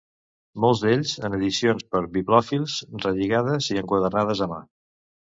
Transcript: Molts d'ells en edicions per a bibliòfils, relligades i enquadernades a mà.